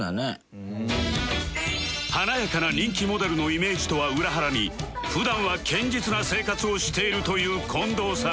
華やかな人気モデルのイメージとは裏腹に普段は堅実な生活をしているという近藤さん